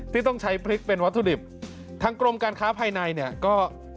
ต้องใช้พริกเป็นวัตถุดิบทางกรมการค้าภายในเนี่ยก็